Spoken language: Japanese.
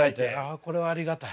あこれはありがたい。